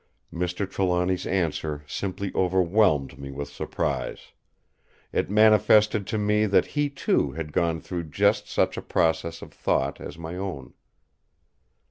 Mr. Trelawny's answer simply overwhelmed me with surprise. It manifested to me that he too had gone through just such a process of thought as my own.